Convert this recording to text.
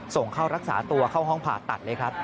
ส่งเข้ารักษาตัวเข้าห้องผ่าตัดเลยครับ